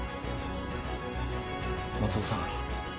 松尾さん